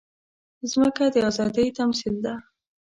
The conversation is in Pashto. مځکه د ازادۍ تمثیل ده.